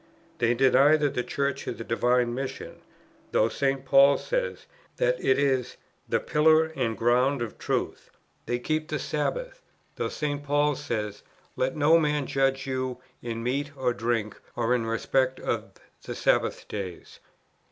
they deny that the Church has a divine mission, though St. Paul says that it is "the Pillar and ground of Truth;" they keep the Sabbath, though St. Paul says, "Let no man judge you in meat or drink or in respect of ... the sabbath days."